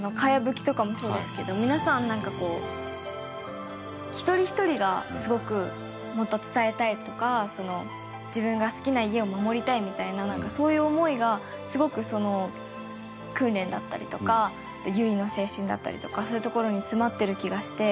茅葺きとかもそうですけど皆さんなんかこう一人ひとりがすごくもっと伝えたいとか自分が好きな家を守りたいみたいななんかそういう思いがすごくその訓練だったりとか結の精神だったりとかそういうところに詰まってる気がして。